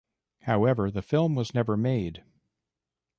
However the film was never made.